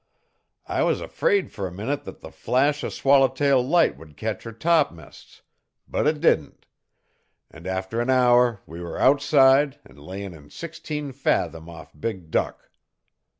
"I was afraid fer a minute that the flash of Swallowtail Light would catch her topm'sts, but it didn't, and after an hour we were outside and layin' in sixteen fathom off Big Duck.